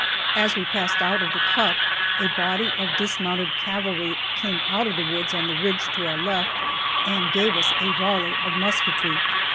As we passed out of the cut a body of dismounted cavalry came out of the woods on the ridge to our left and gave us a volley of musketry.